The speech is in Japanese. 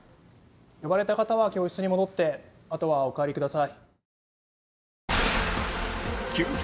呼ばれた方は教室に戻ってあとはお帰りください。